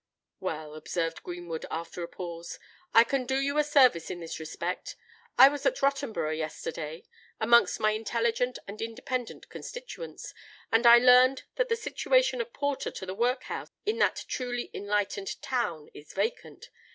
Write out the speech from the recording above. "Well," observed Greenwood, after a pause, "I can do you a service in this respect. I was at Rottenborough yesterday—amongst my intelligent and independent constituents; and I learnt that the situation of porter to the workhouse in that truly enlightened town is vacant.